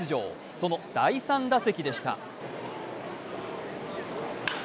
その第３打席でした。